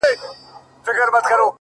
زموږه دوو زړونه دي تل په خندا ونڅيږي-